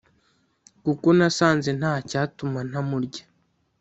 Kuko nasanze ntacyatuma ntamurya.»